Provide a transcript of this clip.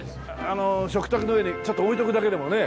食卓の上にちょっと置いとくだけでもね。